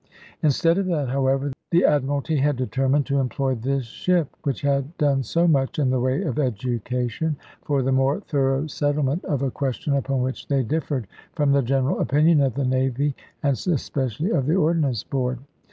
Instead of that, however, the Admiralty had determined to employ this ship, which had done so much in the way of education, for the more thorough settlement of a question upon which they differed from the general opinion of the Navy, and especially of the Ordnance Board.